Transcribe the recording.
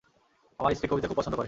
আমার স্ত্রী কবিতা খুব পছন্দ করে।